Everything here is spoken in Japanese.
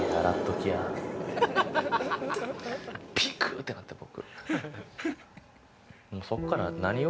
ビク！ってなって僕。